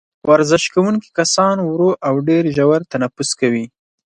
ورزش کوونکي کسان ورو او ډېر ژور تنفس کوي.